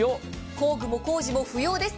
工具も康二も不要です。